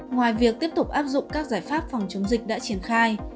ngoài việc tiếp tục áp dụng các giải pháp phòng chống dịch đã triển khai